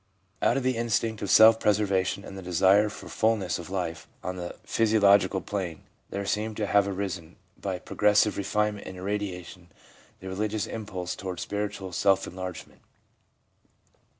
Out of the instinct of self preservation and the desire for fulness of life on the physiological plane, there seem to have arisen, by progressive refinement and irradiation, the religious impulse toward spiritual self enlargement.